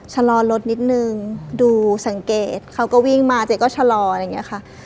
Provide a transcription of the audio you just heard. ชะลอรถนิดนึงดูสังเกตเขาก็วิ่งมาเจ๊ก็ชะลออะไรอย่างนี้ค่ะ